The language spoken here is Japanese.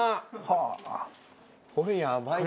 これやばいね。